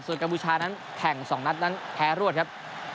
ส่วนกัมพูชานั้นแข่ง๒นัดนั้นแพ้รวดครับ